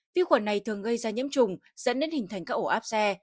vi khuẩn này thường gây ra nhiễm trùng dẫn đến hình thành các ổ áp xe